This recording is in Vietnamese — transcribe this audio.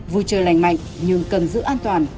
vui chơi lành mạnh nhưng cần giữ an toàn